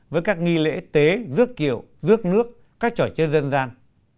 với các nghi lễ tế rước kiệu rước nước các trò chơi dân gian